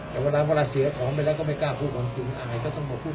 แต่เวลาเสียของไปแล้วก็ไม่กล้าพูดความจริงอะไรก็ต้องมาพูด